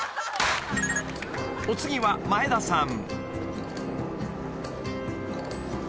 ［お次は眞栄田さん］